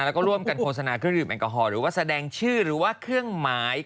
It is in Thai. แล้วก็ร่วมกันโฆษณาเครื่องดื่มแอลกอฮอลหรือว่าแสดงชื่อหรือว่าเครื่องหมาย